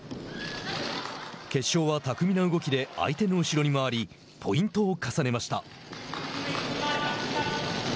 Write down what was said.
決勝は巧みな動きで相手の後ろに回りポイントを重ねました。